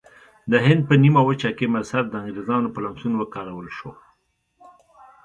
د هند په نیمه وچه کې مذهب د انګریزانو په لمسون وکارول شو.